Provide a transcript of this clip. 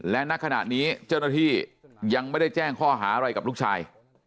และณขณะนี้เจ้าหน้าที่ยังไม่ได้แจ้งข้อหาอะไรกับลูกชาย